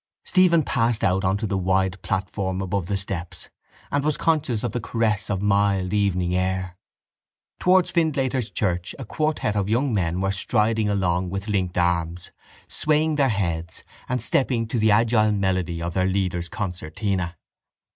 Stephen passed out on to the wide platform above the steps and was conscious of the caress of mild evening air. Towards Findlater's church a quartet of young men were striding along with linked arms, swaying their heads and stepping to the agile melody of their leader's concertina.